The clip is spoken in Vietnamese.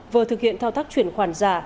vừa thực hiện thao tác chuyển khoản giả